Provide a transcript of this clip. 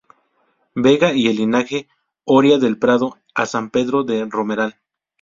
Vega y el linaje Oria del Prado a San Pedro del Romeral.